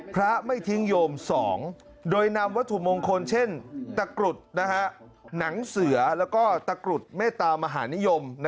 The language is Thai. พระไม่ทิ้งโยม๒โดยนำวัตถุมงคลเช่นตะกรุดหนังเสือแล้วก็ตะกรุดเมตตามหานิยม